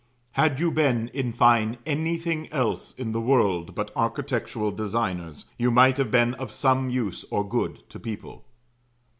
Had you been, in fine, anything else in the world but architectural designers, you might have been of some use or good to people.